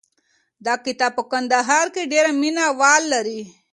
دا کتاب په کندهار کې ډېر مینه وال لري.